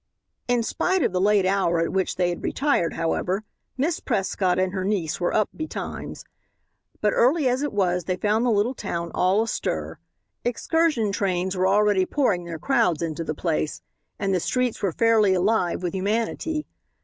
In spite of the late hour at which they had retired, however, Miss Prescott and her niece were up betimes. But early as it was they found the little town all astir. Excursion trains were already pouring their crowds into the place and the streets were fairly alive with humanity.